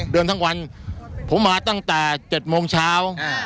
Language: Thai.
เดินทั้งวันผมมาตั้งแต่๗โมงเช้า